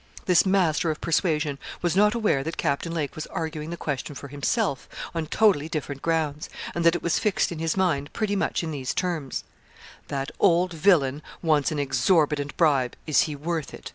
This master of persuasion was not aware that Captain Lake was arguing the question for himself, on totally different grounds, and that it was fixed in his mind pretty much in these terms: 'That old villain wants an exorbitant bribe is he worth it?'